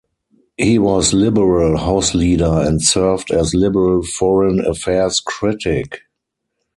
He was Liberal House Leader and served as Liberal Foreign affairs Critic.